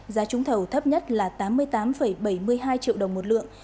giá trúng thầu thấp nhất là tám mươi tám bảy mươi hai triệu đồng một lượng